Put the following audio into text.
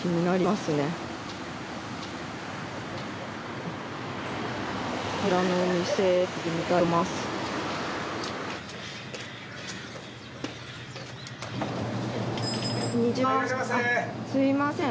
すみません。